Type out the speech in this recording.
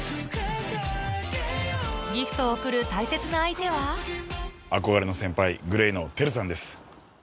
ギフトを贈る大切な相手は憧れの先輩ＧＬＡＹのＴＥＲＵさんです。